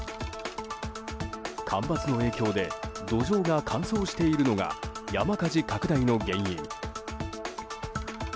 干ばつの影響で土壌が乾燥しているのが山火事拡大の原因。